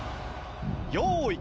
用意。